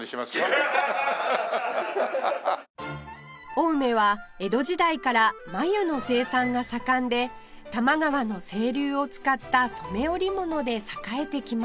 青梅は江戸時代から繭の生産が盛んで多摩川の清流を使った染め織物で栄えてきました